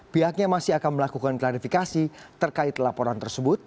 pihaknya masih akan melakukan klarifikasi terkait laporan tersebut